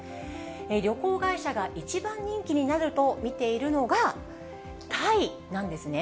旅行会社が一番人気になると見ているのが、タイなんですね。